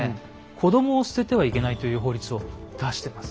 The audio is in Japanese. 子供を捨ててはいけないという法律を出してます。